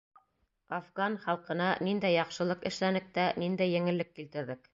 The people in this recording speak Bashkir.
Афған халҡына ниндәй яҡшылыҡ эшләнек тә ниндәй еңеллек килтерҙек?